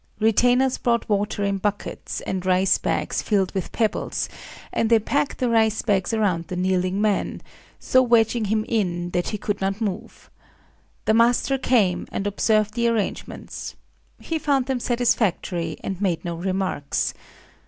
Retainers brought water in buckets, and rice bags filled with pebbles; and they packed the rice bags round the kneeling man,—so wedging him in that he could not move. The master came, and observed the arrangements. He found them satisfactory, and made no remarks.